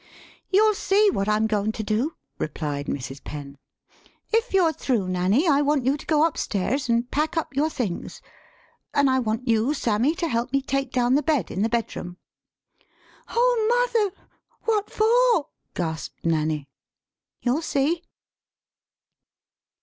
] "You'll see what I'm goin' to do," [replied Mrs. Penn]. " If you're through, Nanny, I want you to go up stairs an' pack up your things; an' I want you, Sammy, to help me take down the bed in the bedroom." "Oh, mother, what for?" gasped Nanny. "You'll see."